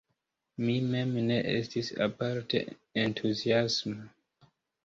Mi mem ne estis aparte entuziasma.